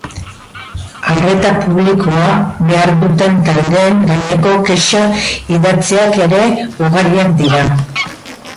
Arreta publikoa behar duten taldeen gaineko kexa idatziak ere ugariak dira.